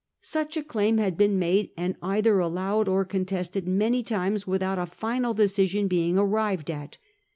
Such a claim had been made, and either alter money allowed or contested, many times, without a bllls * final decision being arrived at.